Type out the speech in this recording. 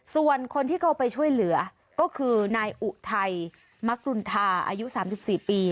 ส่วนคนที่เข้าไปช่วยเหลือก็คือนายอุทัยมกรุณาอายุ๓๔ปี